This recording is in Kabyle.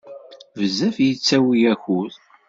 Bezzef yettawi akud.